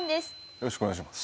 よろしくお願いします。